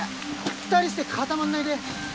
２人して固まんないで。